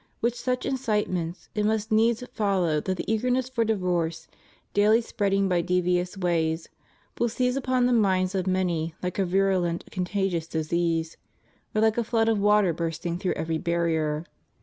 With such incitements it must needs follow that the eagerness for divorce, daily spreading by devious ways, will seize upon the minds of many like a virulent conta gious disease, or like a flood of water bursting through every barrier.